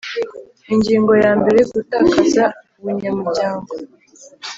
Ingingo yambere Gutakaza Ubunyamuryango